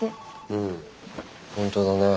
うん本当だね。